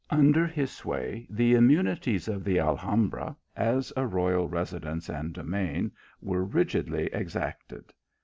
Under his sway, the immunities of the Alhambra, as a royal residence and domain, were rigidly exacted.